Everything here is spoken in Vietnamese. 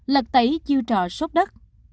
lật tẩy chiêu trò sốt đất